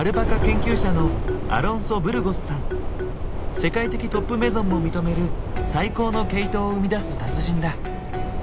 世界的トップメゾンも認める最高の毛糸を生み出す達人だ。